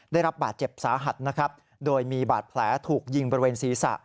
ได้รับบาดเจ็บสาหัสนะครับโดยมีบาดแผลถูกยิงบริเวณศีรษะ